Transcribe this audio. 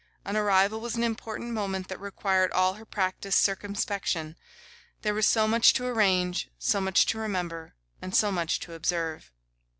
An arrival was an important moment that required all her practised circumspection; there was so much to arrange, so much to remember, and so much to observe.